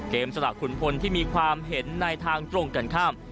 สละขุนพลที่มีความเห็นในทางตรงกันข้าม